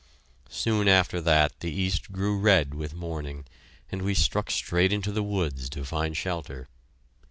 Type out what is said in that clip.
Soon after that the east grew red with morning, and we struck straight into the woods to find shelter.